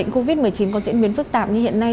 covid một mươi chín có diễn biến phức tạp như hiện nay